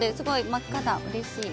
真っ赤だ、うれしい。